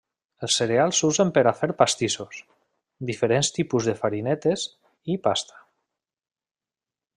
Els cereals s'usen per a fer pastissos, diferents tipus de farinetes i pasta.